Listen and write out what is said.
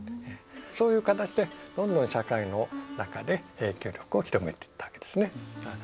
そういう形でどんどん社会の中で影響力を広げていったわけですね。